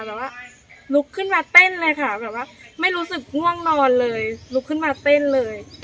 แต่ว่าลุกขึ้นมาเต้นเลยค่ะแบบว่าไม่รู้สึกง่วงนอนเลยลุกขึ้นมาเต้นเลย